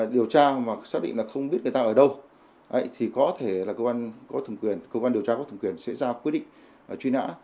điều tra và xác định là không biết người ta ở đâu thì có thể là cơ quan điều tra có thùng quyền sẽ ra quyết định truy nã